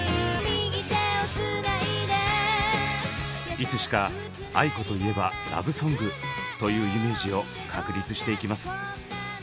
いつしか「ａｉｋｏといえばラブソング」というイメージを確立していきます。